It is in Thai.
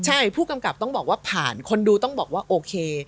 ใช่ผู้กำกับต้องบอกว่าผ่านคนดูต้องบอกว่าโอเค